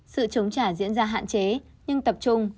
sự chống trả diễn ra hạn chế nhưng tập trung